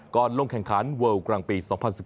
ก่อนลงแข่งขันเวิลด์กลางปี๒๐๑๖